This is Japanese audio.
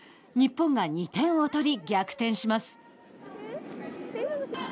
日本が２点を取り逆転します。